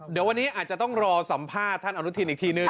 เดี๋ยววันนี้อาจจะต้องรอสัมภาษณ์ท่านอนุทินอีกทีนึง